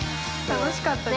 楽しかった。